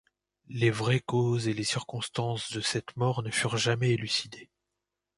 Les vraies causes et les circonstances de cette mort ne furent jamais élucidées.